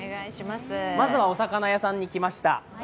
まずはお魚屋さんに来ました。